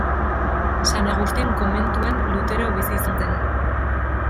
San Agustin komentuan Lutero bizi izan zen.